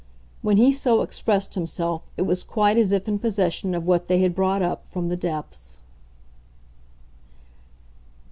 When he so expressed himself it was quite as if in possession of what they had brought up from the depths.